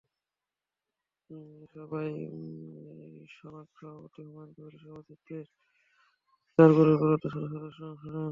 সভায় সনাক সভাপতি হুমায়ুন কবিরের সভাপতিত্বে চার গ্রুপের অর্ধশত সদস্য অংশ নেন।